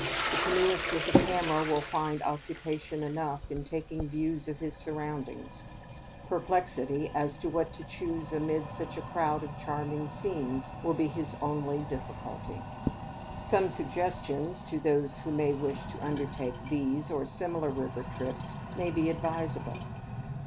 The canoeist with a camera will find occupation enough in taking views of his surroundings; perplexity as to what to choose amid such a crowd of charming scenes, will be his only difficulty. Some suggestions to those who may wish to undertake these or similar river trips may be advisable.